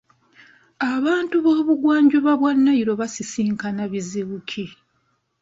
Abantu b'obugwanjuba bwa Nile basisinkana bizibu ki ?